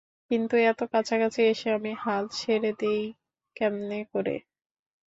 কিন্তু এত কাছাকাছি এসে আমি হাল ছেড়ে দেই কেমন করে?